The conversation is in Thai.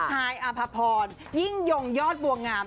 หายอัมพภพรยิ่งโยงยอดบวงหยาม